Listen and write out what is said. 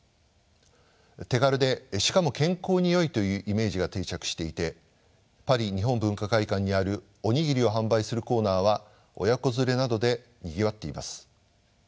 手軽でしかも健康によいというイメージが定着していてパリ日本文化会館にあるお握りを販売するコーナーは親子連れなどでにぎわっています。